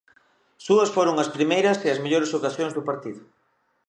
Súas foron as primeiras e as mellores ocasións do partido.